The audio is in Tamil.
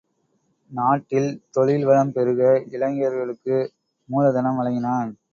நாட்டில் தொழில் வளம் பெருக இளைஞர்களுக்கு மூலதனம் வழங்கினான்.